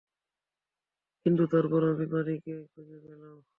কিন্তু তারপর আমি ম্যানিকে খুঁজে পেলাম।